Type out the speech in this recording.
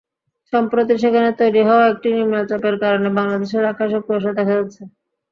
সম্প্রতি সেখানে তৈরি হওয়া একটি নিম্নচাপের কারণে বাংলাদেশের আকাশে কুয়াশা দেখা যাচ্ছে।